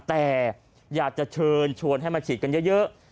แต่อยากจะเชิญชวนให้มาฉีดกันเยอะ